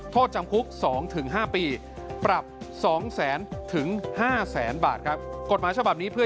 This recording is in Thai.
โทษจำคุก๒ถึง๕ปีปรับ๒๐๐ถึง๕๐๐บาทครับ